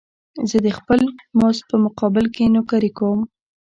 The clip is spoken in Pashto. زه د خپل مزد په مقابل کې نوکري کوم